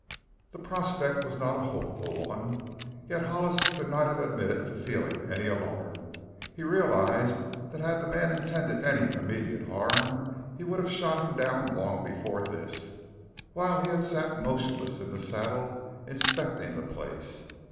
The prospect was not a hopeful one, yet Hollis could not have admitted to feeling any alarm. He realized that had the man intended any immediate harm he would have shot him down long before this while he had sat motionless in the saddle inspecting the place.